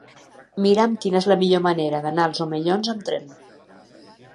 Mira'm quina és la millor manera d'anar als Omellons amb tren.